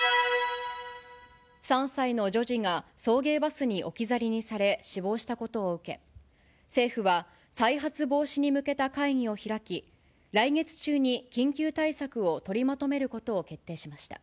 ３歳の女児が送迎バスに置き去りにされ死亡したことを受け、政府は、再発防止に向けた会議を開き、来月中に緊急対策を取りまとめることを決定しました。